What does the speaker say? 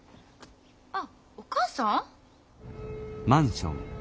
あっお母さん？